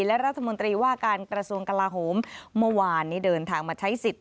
และรัฐมนตรีว่าการกระทรวงกลาโหมเมื่อวานนี้เดินทางมาใช้สิทธิ์